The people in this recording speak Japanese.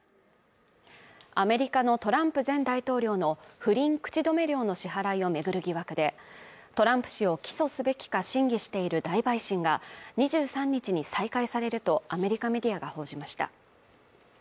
アメリカのトランプ前大統領の不倫口止め料の支払いを巡る疑惑でトランプ氏を起訴すべきか審議している大陪審が２３日に再開されるとアメリカメディアが報じました。